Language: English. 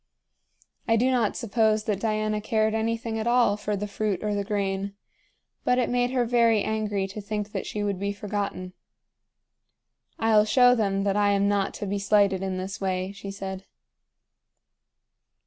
I do not suppose that Diana cared anything at all for the fruit or the grain; but it made her very angry to think that she should be forgotten. "I'll show them that I am not to be slighted in this way," she said.